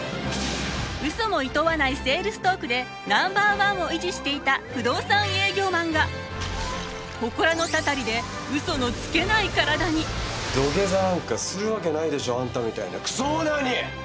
嘘もいとわないセールストークでナンバーワンを維持していた不動産営業マンが土下座なんかするわけないでしょあんたみたいなクソオーナーに！